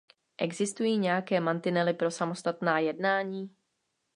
Existují nějaké mantinely pro samostatná jednání?